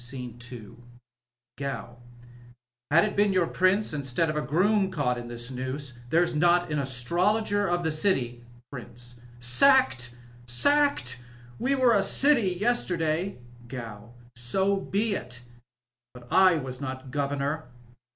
Sc. IL Gow. — ^Had it been your Prince instead of a sroom caissht in this nooM Chere'i not an astrologer of the city Prxncb. — Sackeal Sacked I We were a city yesterday. Gow. — So be it, but I was not governor.